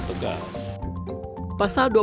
itu harus ditindak